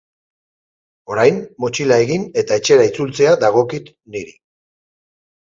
Orain motxila egin eta etxera itzultzea dagokit niri.